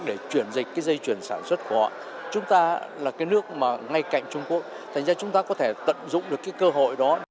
để chuyển dịch cái dây chuyển sản xuất của họ